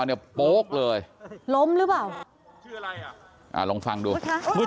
แต่อย่างไร